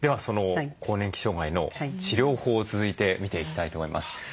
その更年期障害の治療法を続いて見ていきたいと思います。